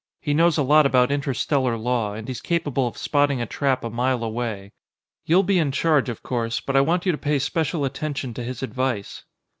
He knows a lot about interstellar law, and he's capable of spotting a trap a mile away. You'll be in charge, of course, but I want you to pay special attention to his advice."